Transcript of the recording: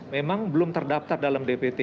memang belum terdaftar dalam dpt